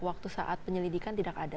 waktu saat penyelidikan tidak ada